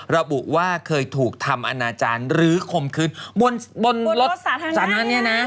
ระบุว่าเคยถูกทำอนาจารย์หรือคมคืนบนรถสาธารณะเนี่ยนะ